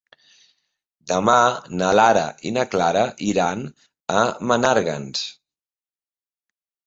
Demà na Lara i na Clara iran a Menàrguens.